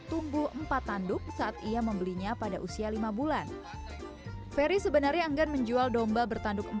tumbuh empat tanduk saat ia membelinya pada usia lima bulan ferry sebenarnya enggan menjual domba bertanduk